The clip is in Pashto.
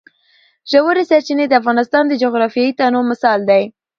ژورې سرچینې د افغانستان د جغرافیوي تنوع مثال دی.